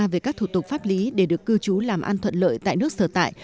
về các thủ tục pháp lý để được cư trú làm an thuận lợi tại nước sở tại